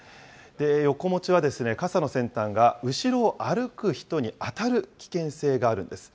よこ持ちは傘の先端が後ろを歩く人に当たる危険性があるんです。